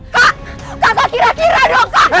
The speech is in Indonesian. kak kakak kira kira dong